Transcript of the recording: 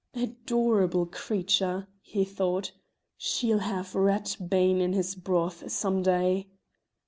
"Adorable creature," he thought: "she'll have rat bane in his broth some day."